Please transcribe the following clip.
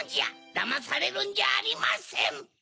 だまされるんじゃありません！